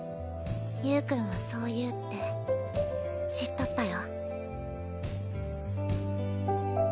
ゆーくんはそう言うって知っとったよ。